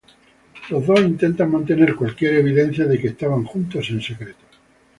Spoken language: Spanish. Los dos intentan mantener cualquier evidencia de que estaban juntos en secreto.